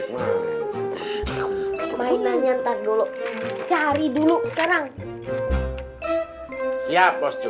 mainannya ntar dulu cari dulu sekarang siap